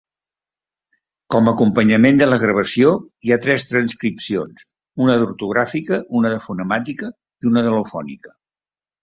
Com a acompanyament de la gravació, hi ha tres transcripcions: una d'ortogràfica, una de fonemàtica i una d'al·lofònica.